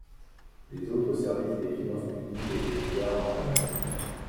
Les autres services des finances publiques étaient ouvert normalement.